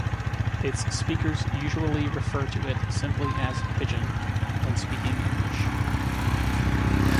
Its speakers usually refer to it simply as "pidgin" when speaking English.